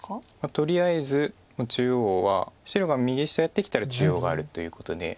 とりあえず中央は白が右下やってきたら中央があるということで。